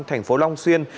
thành phố long xuyên